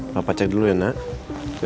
papa cai dulu ya nak